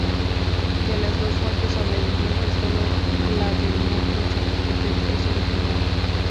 De las dos fuentes sobrevivientes solo la del metro Chapultepec es original.